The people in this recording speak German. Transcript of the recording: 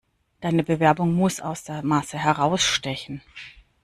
Deine Bewerbung muss aus der Masse herausstechen.